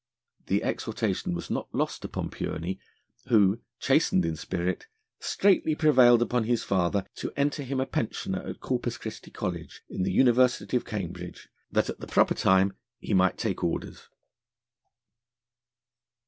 The exhortation was not lost upon Pureney, who, chastened in spirit, straightly prevailed upon his father to enter him a pensioner at Corpus Christi College in the University of Cambridge, that at the proper time he might take orders.